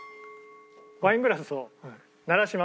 ワイングラスを鳴らします。